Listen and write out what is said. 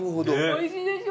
おいしいでしょ。